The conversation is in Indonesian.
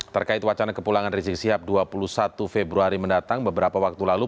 terkait wacana kepulangan rizik sihab dua puluh satu februari mendatang beberapa waktu lalu